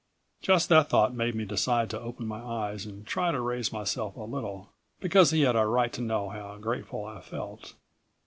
Just that thought made me decide to open my eyes and try to raise myself a little, because he had a right to know how grateful I felt.